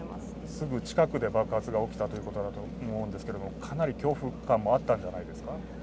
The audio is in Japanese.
すぐ近くで爆発が起きたということだと思うんですけれども、かなり恐怖感もあったんじゃないですか？